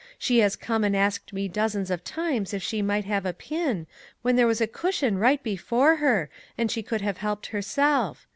She has come and asked me dozens of times if she might have a pin, when there was the cushion right before her, and she could have helped herself.